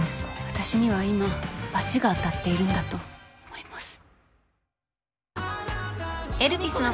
私には今罰が当たっているんだと思います。